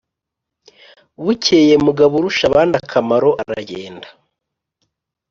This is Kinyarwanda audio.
bukeye mugaburushabandakamaro a ragenda